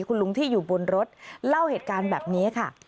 คุณลุงที่อยู่บนรถเล่าเหตุการณ์แบบนี้ค่ะ